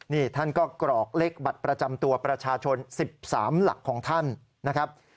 นี่ท่านก็กรอกเลขบัตรประจำตัวประชาชน๑๓หลักของท่านนะครับ